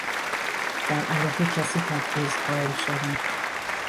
برعلیه کسی تبعیض قایل شدن